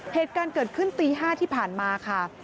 เหตุการณ์เกิดขึ้นตี๕ที่ผ่านมาค่ะ